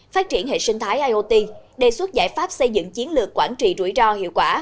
phát triển hệ sinh thái iot đề xuất giải pháp xây dựng chiến lược quản trị rủi ro hiệu quả